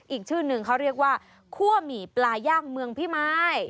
อีกชื่อนึงเขาเรียกว่าคั่วหมี่ปลาย่างเมืองพิมาย